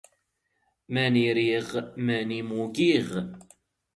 ⵎⴰⵏⵉ ⵔⵉⵖ ⵎⴰⵏⵉ ⵎⵓ ⴳⵉⵖ.